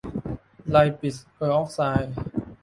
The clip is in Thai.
ไลปิดเปอร์อ๊อกไซด์